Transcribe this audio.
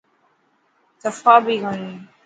سفا بي ڪوني.